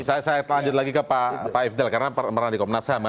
saya lanjut lagi ke pak ifdhel karena pernah di komnas ham